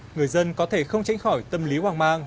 người dân có thể không tránh khỏi tâm lý hoang mang